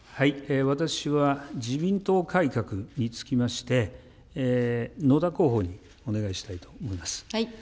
私は自民党改革につきまして、野田候補にお願いしたいと思います。